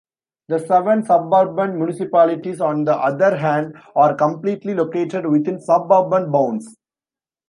The seven suburban municipalities, on the other hand, are completely located within suburban bounds.